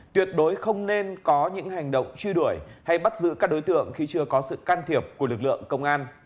tuyệt đối không nên có những hành động truy đuổi hay bắt giữ các đối tượng khi chưa có sự can thiệp của lực lượng công an